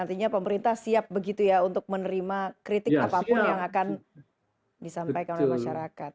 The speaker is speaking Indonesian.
artinya pemerintah siap begitu ya untuk menerima kritik apapun yang akan disampaikan oleh masyarakat